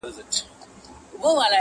o ﻻس چي مات سي غاړي ته لوېږي!